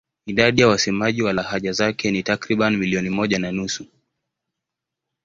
Idadi ya wasemaji wa lahaja zake ni takriban milioni moja na nusu.